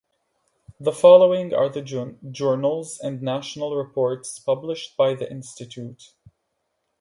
The following are the Journals and National reports published by the institute.